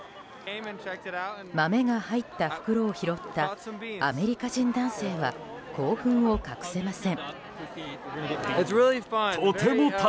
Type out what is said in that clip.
豆が入った袋を拾ったアメリカ人男性は興奮を隠せません。